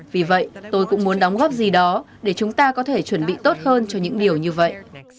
vì vậy tôi cũng muốn đóng góp gì đó để chúng ta có thể chuẩn bị tốt hơn cho những điều như vậy